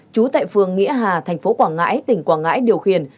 trú tại phường nghĩa hà thành phố quảng ngãi tỉnh quảng ngãi điều khiển